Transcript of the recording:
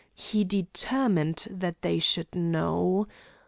He determined that they should know.